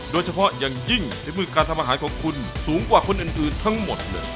โดยเฉพาะอย่างยิ่งฝีมือการทำอาหารของคุณสูงกว่าคนอื่นทั้งหมดเลย